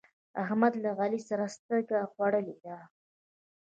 احمد له علي سره سترګه خوړلې ده.